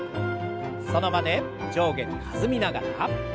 その場で上下に弾みながら。